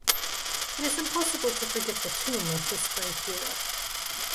It is impossible to forget the tomb of this great hero.